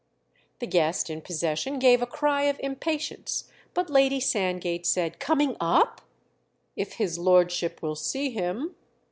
The guest in possession gave a cry of impatience, but Lady Sandgate said "Coming up?" "If his lordship will see him."